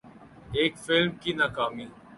ایک فلم کی ناکامی